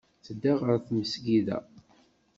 Tedda ɣer tmesgida.